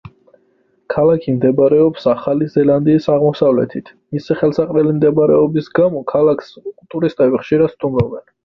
ქალაქი მდებარეობს ახალი ზელანდიის აღმოსავლეთით, მისი ხელსაყრელი მდებარეობის გამო ქალაქს ტურისტები ხშირად სტუმრობენ.